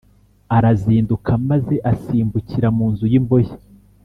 Arazinduka maze asimbukira mu nzu y’imbohe